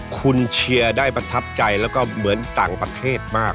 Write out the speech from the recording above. คุณเชียร์ได้ประทับใจแล้วก็เหมือนต่างประเทศมาก